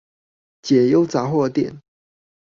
解憂雜貨店